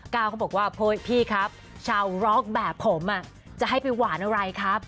เขาบอกว่าพี่ครับชาวร็อกแบบผมจะให้ไปหวานอะไรครับ